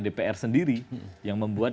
dpr sendiri yang membuat